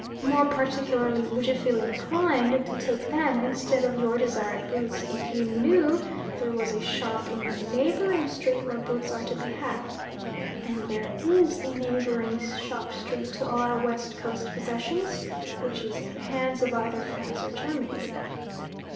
more particularly would you feel inclined to take them instead of your desired boots if you knew there was a shop in a neighbouring street where boots are to be had? And there is a neighbouring shop street to all our West Coast possessions which is in the hands of either France or Germany.